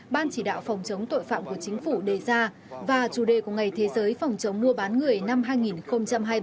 ban chỉ đạo phòng chống tội phạm của chính phủ đề ra và chủ đề của ngày thế giới phòng chống mua bán người năm hai nghìn hai mươi ba